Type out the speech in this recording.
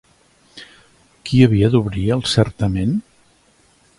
Qui havia d'obrir el certament?